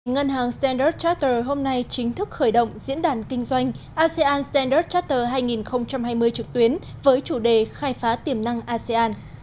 ngân hàng standard charter hôm nay chính thức khởi động diễn đàn kinh doanh asean standers charter hai nghìn hai mươi trực tuyến với chủ đề khai phá tiềm năng asean